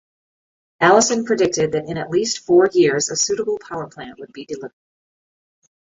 Allison predicted that in at least four years a suitable power plant would be delivered.